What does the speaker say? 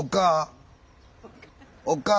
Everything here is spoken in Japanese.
おっかあ？